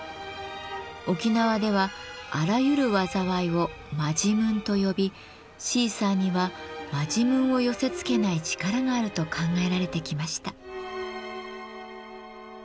沖縄ではあらゆる災いを「マジムン」と呼びシーサーにはマジムンを寄せつけない力があると考えられてきました。